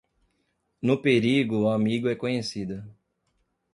No perigo o amigo é conhecido.